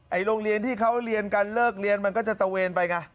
โรงเรียนที่เขาเรียนกันเลิกเรียนมันก็จะตะเวนไปไง